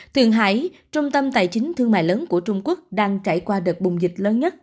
tuyền hải trung tâm tài chính thương mại lớn của trung quốc đang trải qua đợt bùng dịch lớn nhất